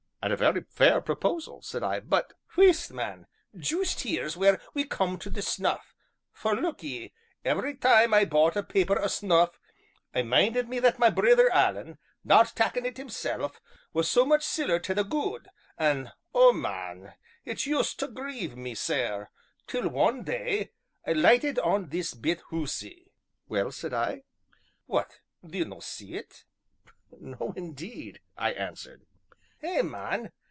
"And a very fair proposal," said I, "but " "Wheest, man! juist here's where we come to the snuff, for, look ye, every time I bought a paper o' snuff I minded me that ma brither Alan, not takkin' it himself, was so much siller tae the gude an' oh, man! it used tae grieve me sair till, one day, I lighted on this bit hoosie." "Well?" said I. "What, d'ye no see it?" "No, indeed," I answered. "Eh, man!